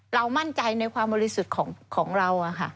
เรามั่นใจในความบริสุทธิ์ของเรา